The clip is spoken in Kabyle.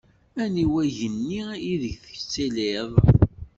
Aniwa igenni ideg i tettiliḍ?